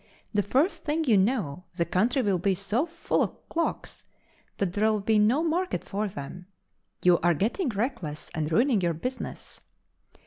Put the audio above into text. "The first thing you know, the country will be so full of clocks that there will be no market for them. You are getting reckless and ruining your business."